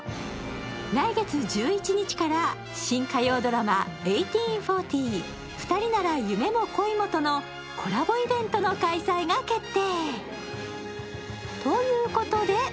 来月１１日から新火曜ドラマ「１８／４０ふたりなら夢も恋も」のコラボイベントの開催が決定。